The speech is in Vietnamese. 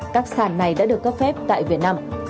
các sàn này đã được cấp phép tại việt nam